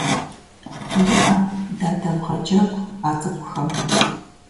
ИӀэ дадэвгъэджэгу а цӀыкӀухэм